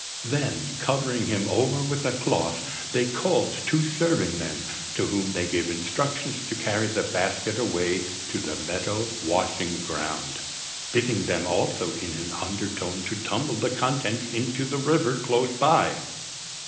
Then, covering him over with a cloth, they called two serving men, to whom they gave instructions to carry the basket away to the meadow washing ground, bidding them also in an undertone to tumble the contents into the river close by.